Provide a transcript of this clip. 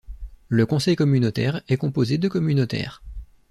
Le conseil communautaire est composé de communautaires.